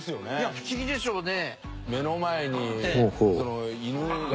不思議でしょうね。